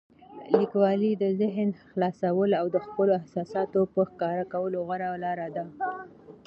لیکوالی د ذهن خلاصولو او د خپلو احساساتو په ښکاره کولو غوره لاره ده.